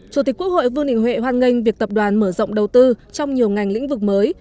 chủ tịch quốc hội vương đình huệ hoan nghênh việc tập đoàn mở rộng đầu tư trong nhiều ngành lĩnh vực mới